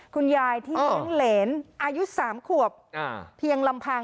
คุณยายที่เลี้ยงเหรนอายุ๓ขวบเพียงลำพัง